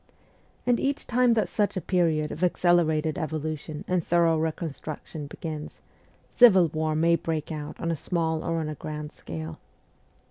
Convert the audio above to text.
And each time that such a period of accelerated evolution and thorough reconstruction begins, civil war may break out on a small or on a grand scale.